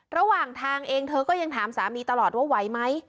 ระหว่างทางเองเธอก็ยังถามสามีตลอดว่าไหวไหม